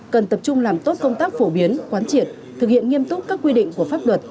cần tập trung làm tốt công tác phổ biến quán triệt thực hiện nghiêm túc các quy định của pháp luật